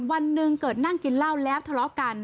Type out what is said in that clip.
วันหนึ่งเกิดนั่งกินเหล้าแล้วทะเลาะกัน